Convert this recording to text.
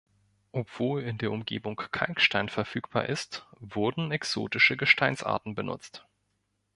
Obwohl in der Umgebung Kalkstein verfügbar ist wurden exotische Gesteinsarten benutzt.